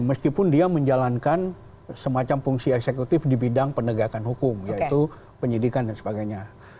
meskipun dia menjalankan semacam fungsi eksekutif di bidang penegakan hukum yaitu penyidikan dan sebagainya